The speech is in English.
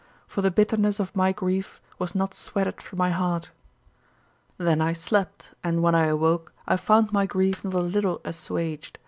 For the bitterness of my grief was not sweated from my heart. Then I slept, and when I awoke I found my grief not a little assuaged.